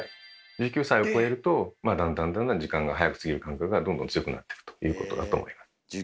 １９歳をこえるとだんだんだんだん時間が早く過ぎる感覚がどんどん強くなってくということだと思います。